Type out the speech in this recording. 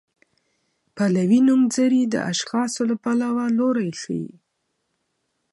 پلوي نومځري د اشخاصو له پلوه لوری ښيي.